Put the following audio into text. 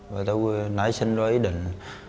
và tôi nãy xin lỗi ý định